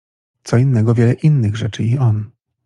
Co innego wiele innych rzeczy i on.